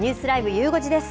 ゆう５時です。